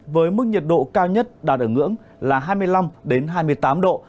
với mức nhiệt độ cao nhất đạt ở ngưỡng là hai mươi năm hai mươi tám độ